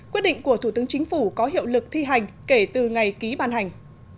quyết định của thủ tướng chính phủ có hiệu lực thi hành kể từ ngày ký ban hành